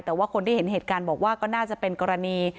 แต่ว่าคนที่เห็นเหตุการณ์บอกว่าก็น่าจะเป็นกรณี